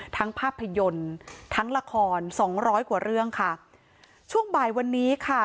ภาพยนตร์ทั้งละครสองร้อยกว่าเรื่องค่ะช่วงบ่ายวันนี้ค่ะ